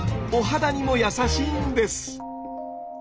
お肌にも優しいんです。